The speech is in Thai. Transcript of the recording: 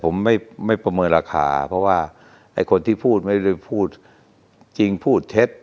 ผมไม่ประเมินราคาเพราะว่าไอ้คนที่พูดไม่ได้พูดจริงพูดเท็จ